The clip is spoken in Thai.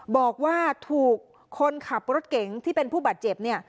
บอกว่าถูกคนขับรถเก๋งที่เป็นผู้บาดเจ็บเนี่ย